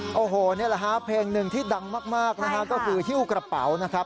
โอ้โหนี่แหละฮะเพลงหนึ่งที่ดังมากนะฮะก็คือฮิ้วกระเป๋านะครับ